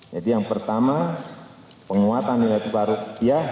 jadi yang pertama penguatan nilai tukar rupiah